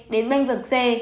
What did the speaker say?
đến bênh vực c